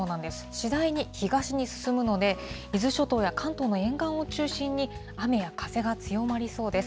次第に東に進むので、伊豆諸島や関東の沿岸を中心に、雨や風が強まりそうです。